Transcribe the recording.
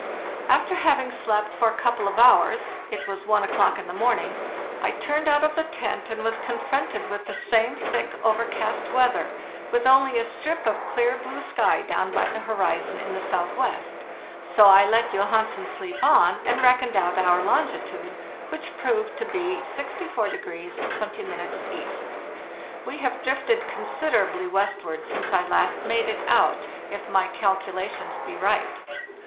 After having slept for a couple of hours (it was 1 o'clock in the morning), I turned out of the tent and was con fronted with the same thick, overcast weather, with only a strip of clear blue sky down by the horizon in the southwest, so I let Johansen sleep on and reckoned out our longitude, which proved to be 64° 20' E. We have drifted considerably westward since I last made it out, if my calculations be right.